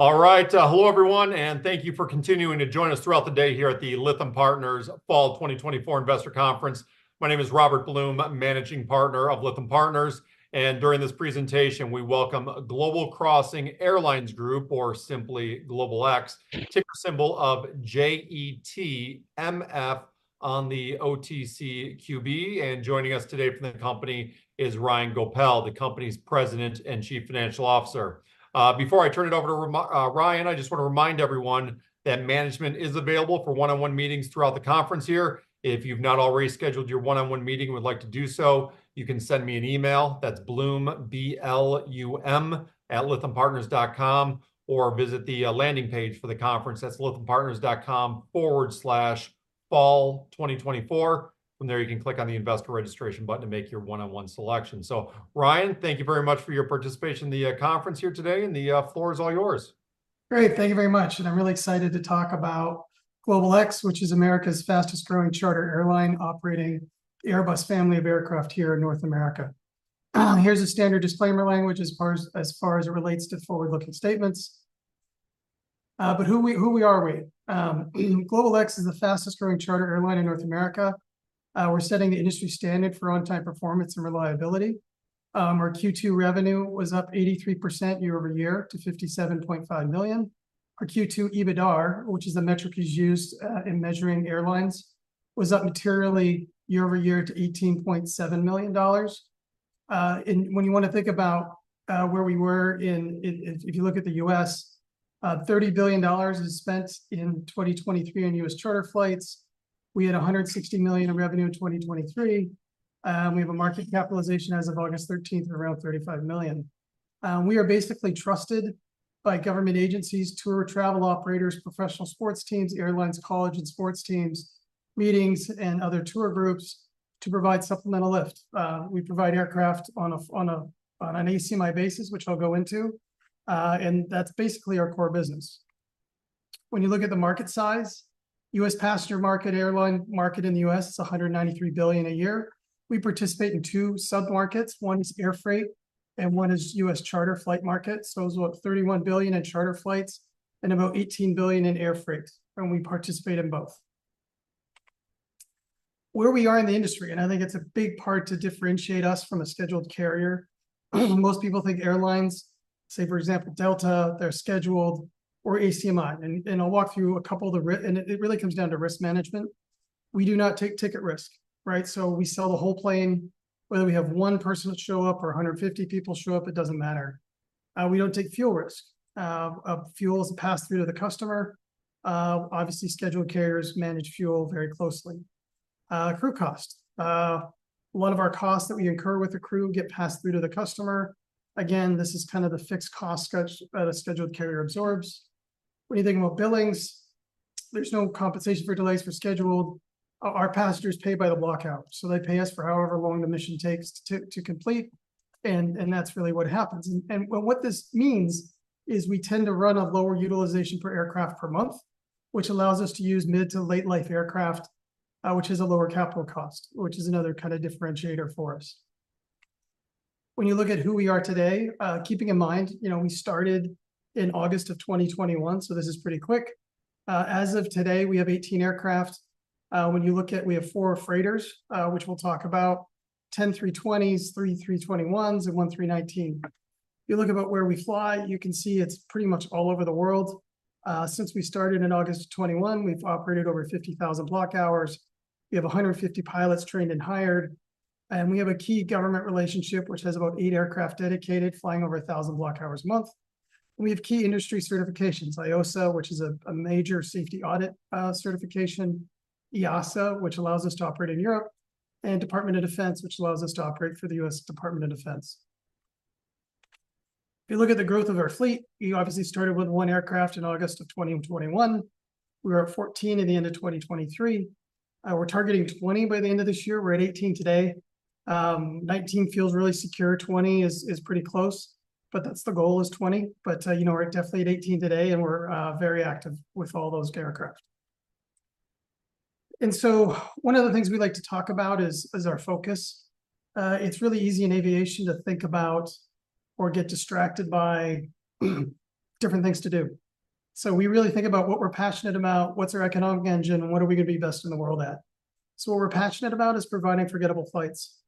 All right, hello, everyone, and thank you for continuing to join us throughout the day here at the Lytham Partners Fall 2024 Investor Conference. My name is Robert Blum, Managing Partner of Lytham Partners, and during this presentation, we welcome Global Crossing Airlines Group, or simply GlobalX, ticker symbol JETMF on the OTCQB. Joining us today from that company is Ryan Goepel, the company's President and Chief Financial Officer. Before I turn it over to Ryan, I just wanna remind everyone that management is available for one-on-one meetings throughout the conference here. If you've not already scheduled your one-on-one meeting and would like to do so, you can send me an email. That's Blum, B-L-U-M, @lythampartners.com, or visit the landing page for the conference. That's lythampartners.com/fall2024. From there, you can click on the Investor Registration button to make your one-on-one selection. So, Ryan, thank you very much for your participation in the conference here today, and the floor is all yours. Great. Thank you very much, and I'm really excited to talk about GlobalX, which is America's fastest growing charter airline, operating the Airbus family of aircraft here in North America. Here's a standard disclaimer language as far as it relates to forward-looking statements. But who are we? GlobalX is the fastest growing charter airline in North America. We're setting the industry standard for on-time performance and reliability. Our Q2 revenue was up 83% year-over-year to $57.5 million. Our Q2 EBITDA, which is the metric that's used in measuring airlines, was up materially year-over-year to $18.7 million. And when you wanna think about where we were in if you look at the U.S., $30 billion was spent in 2023 in U.S. charter flights. We had $160 million in revenue in 2023. We have a market capitalization as of 13 August, around $35 million. We are basically trusted by government agencies, tour travel operators, professional sports teams, airlines, college and sports teams, meetings, and other tour groups to provide supplemental lift. We provide aircraft on an ACMI basis, which I'll go into, and that's basically our core business. When you look at the market size, U.S. passenger market, airline market in the U.S. is $193 billion a year. We participate in two submarkets. One is air freight and one is U.S. charter flight market, so it's about $31 billion in charter flights and about $18 billion in air freight, and we participate in both. Where we are in the industry, and I think it's a big part to differentiate us from a scheduled carrier. Most people think airlines, say, for example, Delta, they're scheduled or ACMI, and I'll walk through a couple of the risks, and it really comes down to risk management. We do not take ticket risk, right? So we sell the whole plane, whether we have one person show up or a hundred and fifty people show up, it doesn't matter. We don't take fuel risk. Fuel is passed through to the customer. Obviously, scheduled carriers manage fuel very closely. Crew cost. A lot of our costs that we incur with the crew get passed through to the customer. Again, this is kind of the fixed cost structure that a scheduled carrier absorbs. When you think about billings, there's no compensation for delays for scheduled. Our passengers pay by the block hour, so they pay us for however long the mission takes to complete, and that's really what happens. And well, what this means is we tend to run a lower utilization per aircraft per month, which allows us to use mid to late life aircraft, which is a lower capital cost, which is another kind of differentiator for us. When you look at who we are today, keeping in mind, you know, we started in August of 2021, so this is pretty quick. As of today, we have 18 aircraft. When you look at, we have four freighters, which we'll talk about, 10 A320s, three A321s, and one A319. You look about where we fly, you can see it's pretty much all over the world. Since we started in August of 2021, we've operated over fifty thousand block hours. We have a hundred and fifty pilots trained and hired, and we have a key government relationship, which has about eight aircraft dedicated, flying over a thousand block hours a month. We have key industry certifications, IOSA, which is a major safety audit certification, EASA, which allows us to operate in Europe, and Department of Defense, which allows us to operate for the U.S. Department of Defense. If you look at the growth of our fleet, we obviously started with one aircraft in August of 2021. We were at 14 at the end of 2023. We're targeting 20 by the end of this year. We're at eighteen today. Nineteen feels really secure, 20 is pretty close, but that's the goal is 20. But you know, we're definitely at eighteen today, and we're very active with all those aircraft. And so one of the things we like to talk about is our focus. It's really easy in aviation to think about or get distracted by different things to do. So we really think about what we're passionate about, what's our economic engine, and what are we gonna be best in the world at. So what we're passionate about is providing forgettable flights.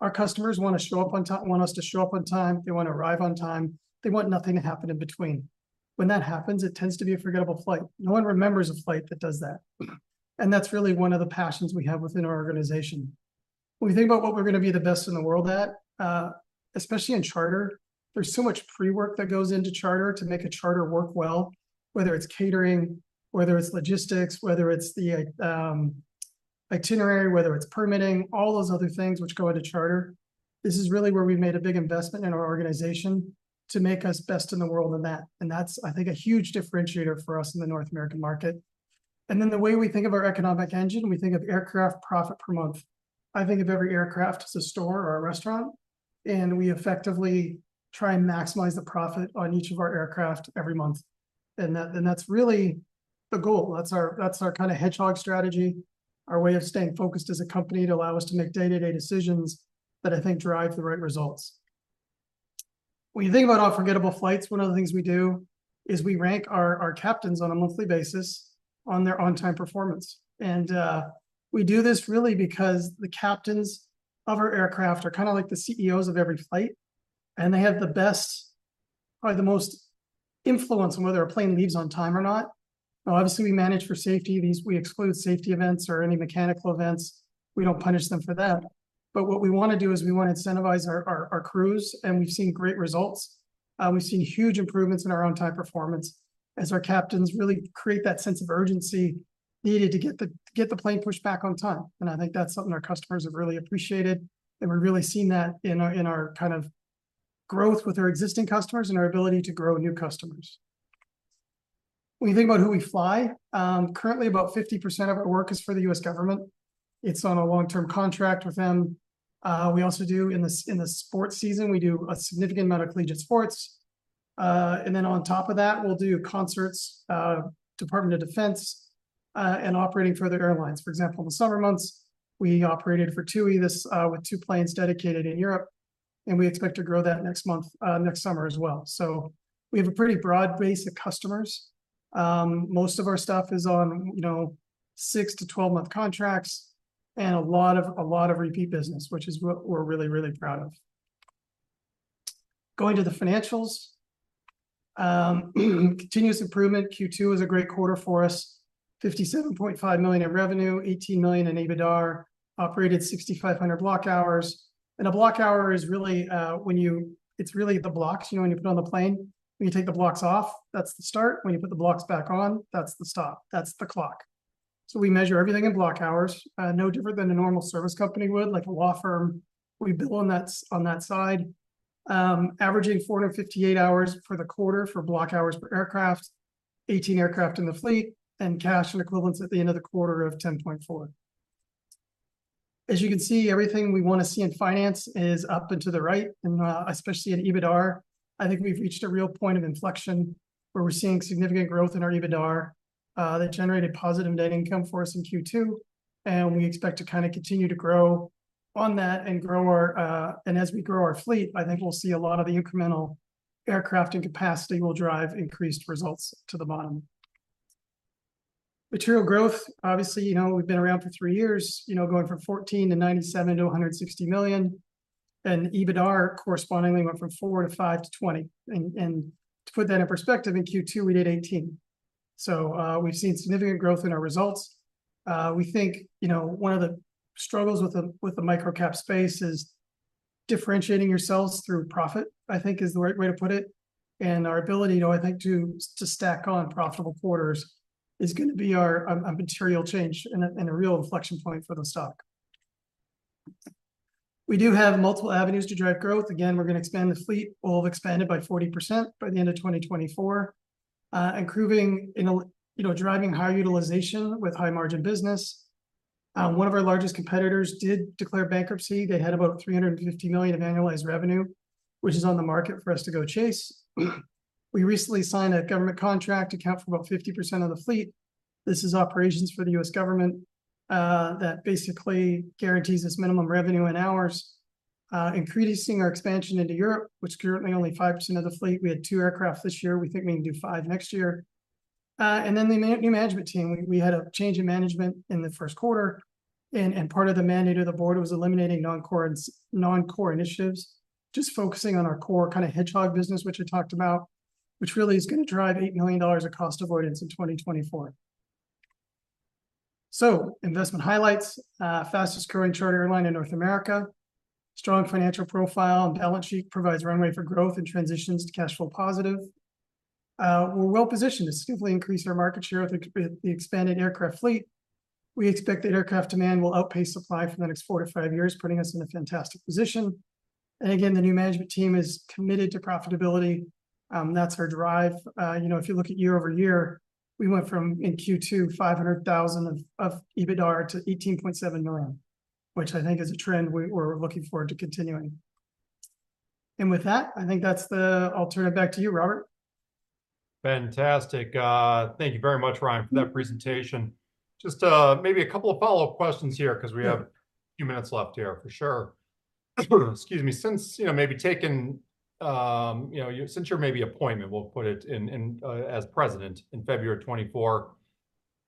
Our customers wanna show up on time, want us to show up on time, they wanna arrive on time, they want nothing to happen in between. When that happens, it tends to be a forgettable flight. No one remembers a flight that does that, and that's really one of the passions we have within our organization. When we think about what we're gonna be the best in the world at, especially in charter, there's so much pre-work that goes into charter to make a charter work well, whether it's catering, whether it's logistics, whether it's the, itinerary, whether it's permitting, all those other things which go into charter. This is really where we've made a big investment in our organization to make us best in the world in that, and that's, I think, a huge differentiator for us in the North American market. And then the way we think of our economic engine, we think of aircraft profit per month. I think of every aircraft as a store or a restaurant, and we effectively try and maximize the profit on each of our aircraft every month. And that's really the goal. That's our kind of hedgehog strategy, our way of staying focused as a company to allow us to make day-to-day decisions that I think drive the right results. When you think about our Forgettable Flights, one of the things we do is we rank our captains on a monthly basis on their on-time performance. And we do this really because the captains of our aircraft are kind of like the CEOs of every flight, and they have the best, or the most influence on whether a plane leaves on time or not. Now, obviously, we manage for safety. We exclude safety events or any mechanical events. We don't punish them for that. But what we wanna do is we wanna incentivize our crews, and we've seen great results. We've seen huge improvements in our on-time performance as our captains really create that sense of urgency needed to get the plane pushed back on time. And I think that's something our customers have really appreciated, and we're really seeing that in our kind of growth with our existing customers and our ability to grow new customers. When you think about who we fly, currently about 50% of our work is for the U.S. government. It's on a long-term contract with them. We also do in the sports season, we do a significant amount of collegiate sports. And then on top of that, we'll do concerts, Department of Defense, and operating for other airlines. For example, in the summer months, we operated for TUI with two planes dedicated in Europe, and we expect to grow that next month, next summer as well. So we have a pretty broad base of customers. Most of our stuff is on, you know, 6-12-month contracts and a lot of repeat business, which is what we're really, really proud of. Going to the financials, continuous improvement, Q2 was a great quarter for us, $57.5 million in revenue, $18 million in EBITDA, operated 6,500 block hours. And a block hour is really, It's really the blocks. You know, when you put on the plane, when you take the blocks off, that's the start. When you put the blocks back on, that's the stop. That's the clock. So we measure everything in block hours, no different than a normal service company would, like a law firm. We bill on that, on that side. Averaging 458 hours for the quarter for block hours per aircraft, 18 aircraft in the fleet, and cash and equivalents at the end of the quarter of $10.4. As you can see, everything we wanna see in finance is up and to the right, and especially in EBITDA, I think we've reached a real point of inflection where we're seeing significant growth in our EBITDA that generated positive net income for us in Q2, and we expect to kind of continue to grow on that and grow our... and as we grow our fleet, I think we'll see a lot of the incremental aircraft and capacity will drive increased results to the bottom. Material growth, obviously, you know, we've been around for three years, you know, going from $14 million to $97 million to $160 million, and EBITDA correspondingly went from $4 million to $5 million to $20 million. To put that in perspective, in Q2, we did $18 million. So, we've seen significant growth in our results. We think, you know, one of the struggles with the microcap space is differentiating yourselves through profit. I think is the right way to put it. Our ability, you know, I think to stack on profitable quarters is gonna be our a material change and a real inflection point for the stock. We do have multiple avenues to drive growth. Again, we're gonna expand the fleet. We'll have expanded by 40% by the end of 2024. And growing in a, you know, driving higher utilization with high-margin business. One of our largest competitors did declare bankruptcy. They had about $350 million of annualized revenue, which is on the market for us to go chase. We recently signed a government contract to account for about 50% of the fleet. This is operations for the U.S. government that basically guarantees us minimum revenue and hours. Increasing our expansion into Europe, which is currently only 5% of the fleet. We had two aircraft this year. We think we can do five next year. And then the new management team. We had a change in management in the first quarter, and part of the mandate of the board was eliminating non-core initiatives, just focusing on our core kind of hedgehog business, which I talked about, which really is gonna drive $8 million of cost avoidance in 2024, so investment highlights, fastest growing charter airline in North America, strong financial profile, and balance sheet provides runway for growth and transitions to cash flow positive. We're well-positioned to significantly increase our market share with the expanded aircraft fleet. We expect that aircraft demand will outpace supply for the next four to five years, putting us in a fantastic position, and again, the new management team is committed to profitability, that's our drive. You know, if you look at year-over-year, we went from, in Q2, $500,000 of EBITDA to $18.7 million, which I think is a trend we're looking forward to continuing. And with that, I think that's the... I'll turn it back to you, Robert. Fantastic. Thank you very much, Ryan, for that presentation. Just maybe a couple of follow-up questions here because we have a few minutes left here, for sure. Excuse me. Since, you know, since your appointment as president in February of 2024,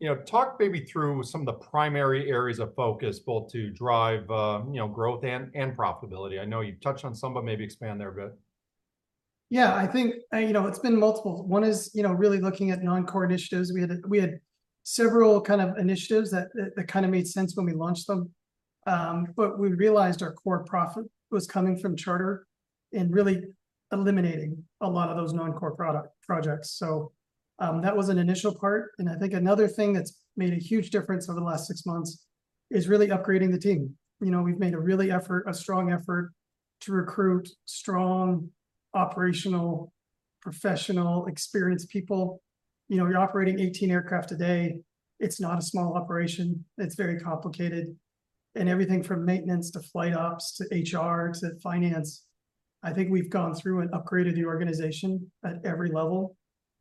you know, talk maybe through some of the primary areas of focus, both to drive, you know, growth and profitability. I know you've touched on some, but maybe expand there a bit. Yeah, I think, you know, it's been multiple. One is, you know, really looking at non-core initiatives. We had several kind of initiatives that kind of made sense when we launched them. But we realized our core profit was coming from charter and really eliminating a lot of those non-core product projects. So, that was an initial part, and I think another thing that's made a huge difference over the last six months is really upgrading the team. You know, we've made a real effort, a strong effort to recruit strong, operational, professional, experienced people. You know, you're operating 18 aircraft today, it's not a small operation, it's very complicated, and everything from maintenance, to flight ops, to HR, to finance... I think we've gone through and upgraded the organization at every level,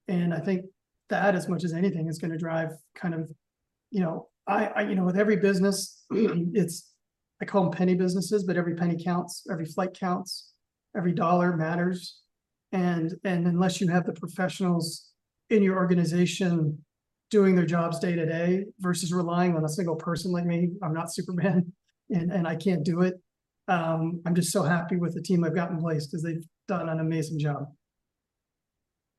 and I think that, as much as anything, is gonna drive kind of, you know, with every business, it's, I call them penny businesses, but every penny counts, every flight counts, every dollar matters, and unless you have the professionals in your organization doing their jobs day-to-day versus relying on a single person like me, I'm not Superman, and I can't do it. I'm just so happy with the team I've got in place, 'cause they've done an amazing job.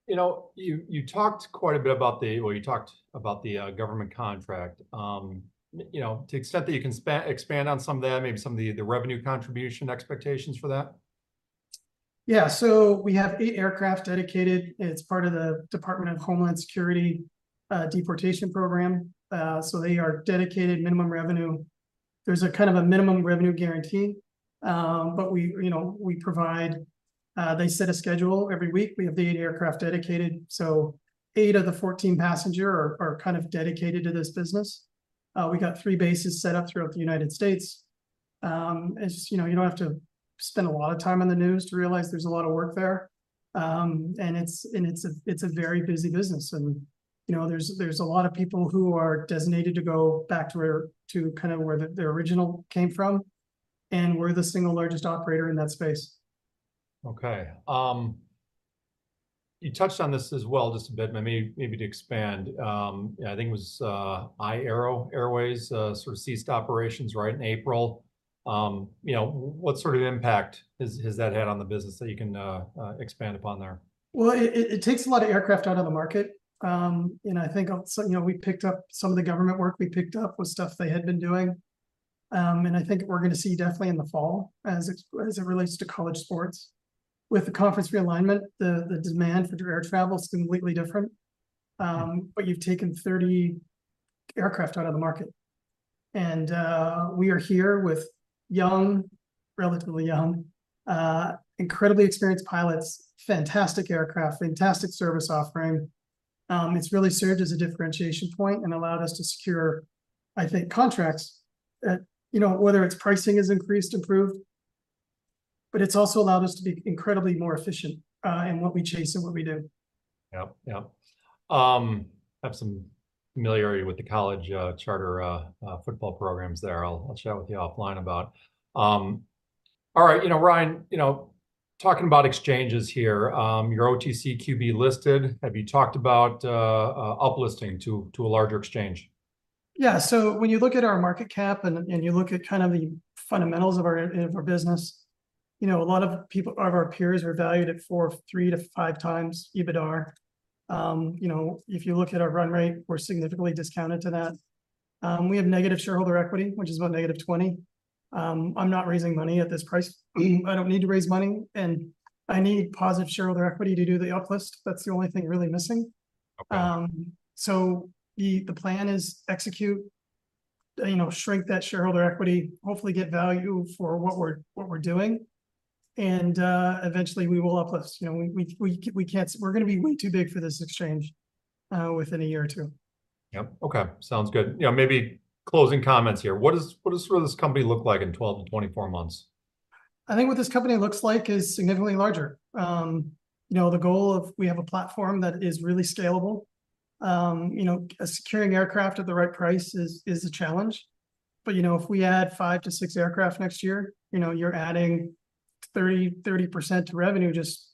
You know, you talked quite a bit about the... Well, you talked about the government contract. You know, to the extent that you can expand on some of that, maybe some of the revenue contribution expectations for that? Yeah, so we have eight aircraft dedicated, and it's part of the Department of Homeland Security deportation program, so they are dedicated minimum revenue. There's a kind of a minimum revenue guarantee, but we, you know, we provide. They set a schedule every week. We have the eight aircraft dedicated, so eight of the 14-passenger are kind of dedicated to this business. We got three bases set up throughout the United States. As you know, you don't have to spend a lot of time on the news to realize there's a lot of work there, and it's a very busy business and, you know, there's a lot of people who are designated to go back to where, to kind of where they originally came from, and we're the single largest operator in that space. Okay. You touched on this as well just a bit, but maybe, maybe to expand. Yeah, I think it was iAero Airways sort of ceased operations right in April. You know, what sort of impact has that had on the business that you can expand upon there? Well, it takes a lot of aircraft out of the market. And I think also, you know, we picked up some of the government work we picked up was stuff they had been doing. And I think we're gonna see definitely in the fall, as it relates to college sports, with the conference realignment, the demand for air travel is completely different. But you've taken 30 aircraft out of the market, and we are here with young, relatively young, incredibly experienced pilots, fantastic aircraft, fantastic service offering. It's really served as a differentiation point and allowed us to secure, I think, contracts that, you know, whether it's pricing has increased, improved, but it's also allowed us to be incredibly more efficient in what we chase and what we do. Yep. Have some familiarity with the college charter football programs there, I'll chat with you offline about. All right, you know, Ryan, you know, talking about exchanges here, you're OTCQB listed. Have you talked about uplisting to a larger exchange? Yeah, so when you look at our market cap, and you look at kind of the fundamentals of our business, you know, a lot of our peers are valued at three to five times EBITDA. You know, if you look at our run rate, we're significantly discounted to that. We have negative shareholder equity, which is about negative 20. I'm not raising money at this price. I don't need to raise money, and I need positive shareholder equity to do the uplist. That's the only thing really missing. So the plan is execute, you know, shrink that shareholder equity, hopefully get value for what we're doing, and eventually we will uplist. You know, we can't. We're gonna be way too big for this exchange within a year or two. Yep. Okay. Sounds good. You know, maybe closing comments here. What does, what does sort of this company look like in 12-24 months? I think what this company looks like is significantly larger. You know, the goal of we have a platform that is really scalable. You know, securing aircraft at the right price is a challenge, but you know, if we add five to six aircraft next year, you know, you're adding 30% to revenue, just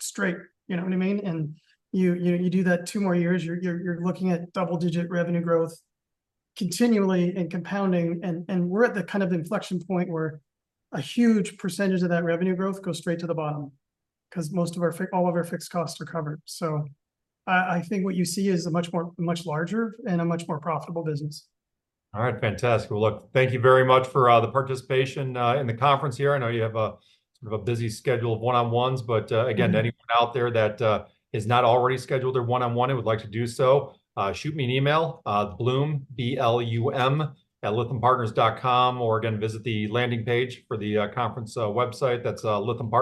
straight. You know what I mean? And you do that two more years, you're looking at double-digit revenue growth continually and compounding, and we're at the kind of inflection point where a huge percentage of that revenue growth goes straight to the bottom, 'cause all of our fixed costs are covered. So I think what you see is a much more, much larger and a much more profitable business. All right, fantastic. Well, look, thank you very much for the participation in the conference here. I know you have a sort of a busy schedule of one-on-ones, but, again anyone out there that is not already scheduled their one-on-one and would like to do so, shoot me an email, Blum, B-L-U-M @lythampartners.com, or again, visit the landing page for the conference website. That's Lytham Partners-